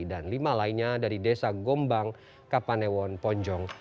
dan lima lainnya dari desa gombang kapanewon ponjong